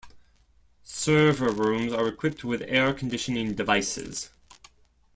Server rooms are equipped with air conditioning devices.